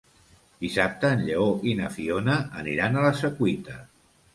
Dissabte en Lleó i na Fiona aniran a la Secuita.